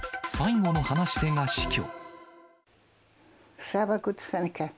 最後の話し手が死去。